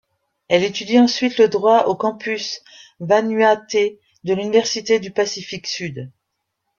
Elle étudie ensuite le droit au campus vanuatais de l'université du Pacifique Sud.